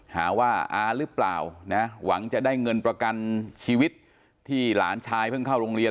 หาว่าอาหรือเปล่านะหวังจะได้เงินประกันชีวิตที่หลานชายเพิ่งเข้าโรงเรียน